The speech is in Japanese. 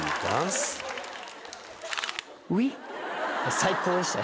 最高でしたね。